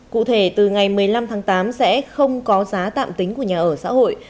cụ thể từ ngày một mươi năm tháng tám sẽ không có giá tạm tính của nhà ở xã hội